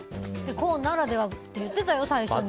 コーンならではって言ってたよ、最初に。